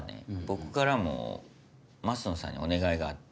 僕からも升野さんにお願いがあって。